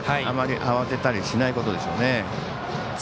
あまり慌てたりしないことでしょうね。